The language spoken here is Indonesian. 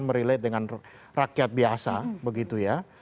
merelate dengan rakyat biasa begitu ya